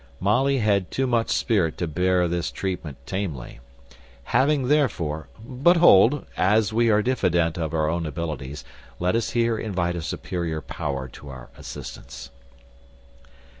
Molly had too much spirit to bear this treatment tamely. Having therefore but hold, as we are diffident of our own abilities, let us here invite a superior power to our assistance.